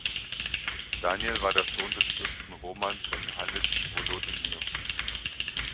Daniel war der Sohn des Fürsten Roman von Halytsch-Wolodymyr.